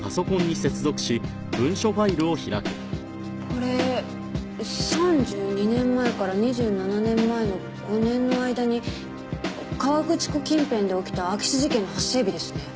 これ３２年前から２７年前の５年の間に河口湖近辺で起きた空き巣事件の発生日ですね。